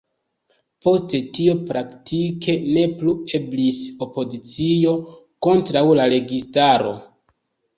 Post tio praktike ne plu eblis opozicio kontraŭ la registaro.